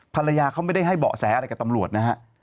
ภรรยาเขาไม่ได้ให้เบาะแสอะไรกับตำรวจนะฮะ